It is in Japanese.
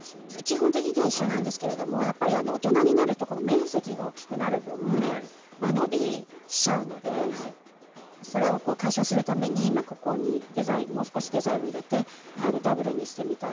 基本的には一緒なんですけれどもやっぱり大人になるとこの面積がおっきくなる分間延びしちゃうのでそれを解消するためにここにもう少しデザインを入れてダブルにしてみたり。